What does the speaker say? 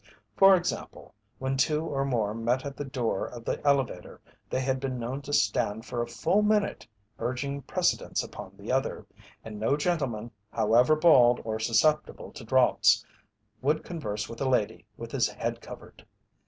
For example, when two or more met at the door of the elevator they had been known to stand for a full minute urging precedence upon the other, and no gentleman, however bald or susceptible to draughts, would converse with a lady with his head covered.